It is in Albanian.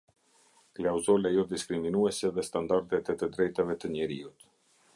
Klauzola jodiskriminuese dhe standardet e të drejtave të njeriut.